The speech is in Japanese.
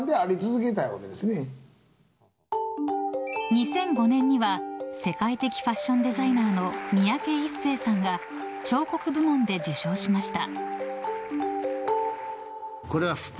２００５年には世界的ファッションデザイナーの三宅一生さんが彫刻部門で受賞しました。